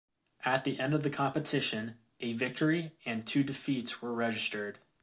At the end of the competition, a victory and two defeats were registered.